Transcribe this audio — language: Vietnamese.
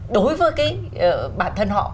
đối với cái bản thân họ